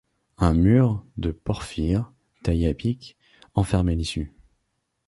Un mur de porphyre, taillé à pic, en fermait l’issue.